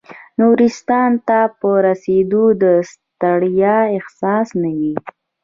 نورستان ته په رسېدو د ستړیا احساس نه و.